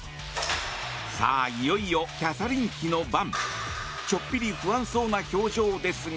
さあ、いよいよキャサリン妃の番。